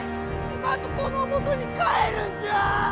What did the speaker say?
妻と子のもとに帰るんじゃ。